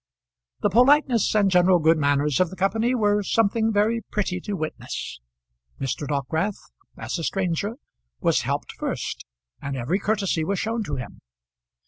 The politeness and general good manners of the company were something very pretty to witness. Mr. Dockwrath, as a stranger, was helped first, and every courtesy was shown to him.